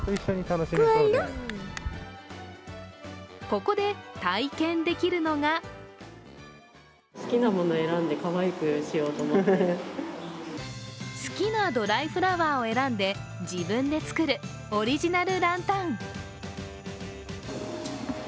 ここで体験できるのが好きなドライフラワーを選んで自分で作るオリジナルランタン。